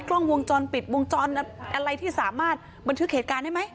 กล้องวงจรปิดวงจรอะไรที่สามารถบันถือเขตการได้มั้ย